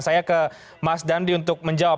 saya ke mas dandi untuk menjawab